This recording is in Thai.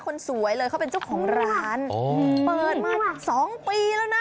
คนสวยเลยเขาเป็นเจ้าของร้านเปิดมาสองปีแล้วนะ